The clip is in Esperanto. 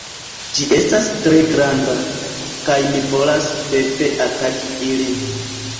Ĝi estas tre granda. kaj mi volas pepe ataki ilin